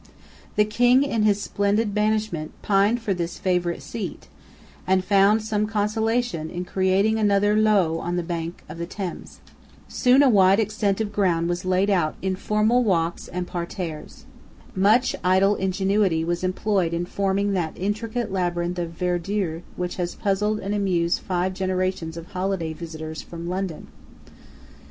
The King, in his splendid banishment, pined for this favourite seat, and found some consolation in creating another Loo on the banks of the Thames. Soon a wide extent of ground was laid out in formal walks and parterres. Much idle ingenuity was employed in forming that intricate labyrinth of verdure which has puzzled and amused five generations of holiday visitors from London.